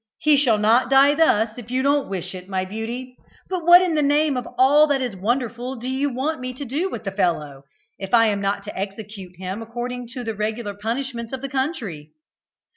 "He shall not die thus, if you don't wish it, my beauty; but what in the name of all that is wonderful do you want me to do with the fellow, if I am not to execute him according to the regular punishments of the country?"